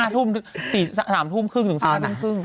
๓ทุ่มครึ่งถึง๓ทุ่มครึ่ง